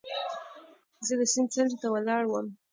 زه د سیند څنډې ته ولاړ وم.